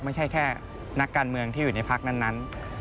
ไม่ใช่แค่นักการเมืองที่อยู่ในพักนั้น